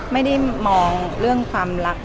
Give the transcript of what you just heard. ไม่ได้มองเรื่องความรัก